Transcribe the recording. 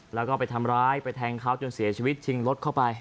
แล้วก็ไปทำร้ายไปแทงเขาจนเสียชีวิตชิงรถเข้าไป